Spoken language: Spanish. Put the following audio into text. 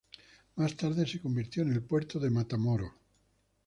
Más tarde se convirtió en el puerto de Matamoros.